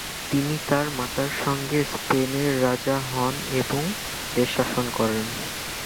তিনি তার মাতার সঙ্গে স্পেনের রাজা হন এবং দেশ শাসন করেন।